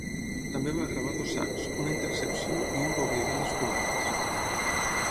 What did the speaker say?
També va gravar dos sacs, una intercepció i un va obligar a les fumades.